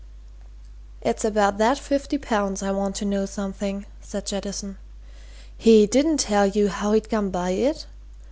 "It's about that fifty pounds I want to know something," said Jettison. "He didn't tell you how he'd come by it?